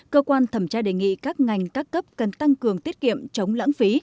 cơ quan thẩm tra đề nghị các ngành các cấp cần tăng cường tiết kiệm chống lãng phí